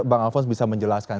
bang alphonse bisa menjelaskan